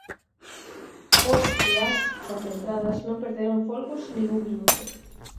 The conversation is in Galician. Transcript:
Os e as concentradas non perderon folgos nin un minuto.